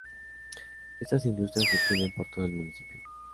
Estas industrias se extienden por todo el municipio.